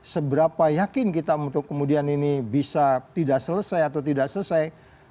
seberapa yakin kita untuk kemudian ini bisa tidak selesai atau tidak selesai